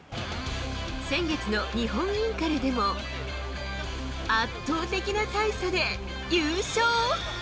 先月の日本インカレでも、圧倒的な大差で優勝。